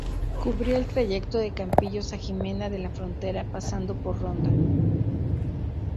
Cubría el trayecto de Campillos a Jimena de la Frontera pasando por Ronda.